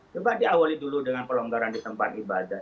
coba diawali dulu dengan pelonggaran di tempat ibadah